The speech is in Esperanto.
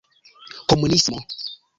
komunismo